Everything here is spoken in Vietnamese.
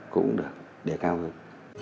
cũng được đề cao hơn